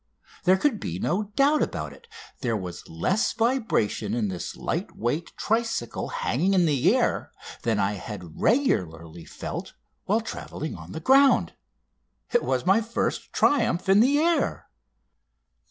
There could be no doubt about it there was less vibration in this light weight tricycle hanging in the air than I had regularly felt while travelling on the ground. It was my first triumph in the air!